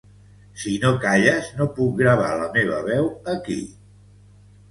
Si no calles, no puc gravar la meva veu aquí.